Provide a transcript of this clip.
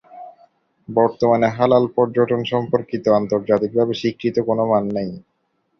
বর্তমানে হালাল পর্যটন সম্পর্কিত আন্তর্জাতিকভাবে স্বীকৃত কোন মান নেই।